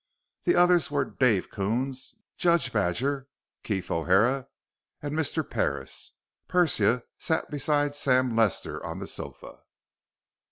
The others were Dave Coons, Judge Badger, Keef O'Hara, and Mr. Parris. Persia sat beside Sam Lester on the sofa.